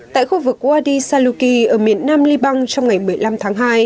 tại khu vực wadi saluki ở miền nam liban trong ngày một mươi năm tháng hai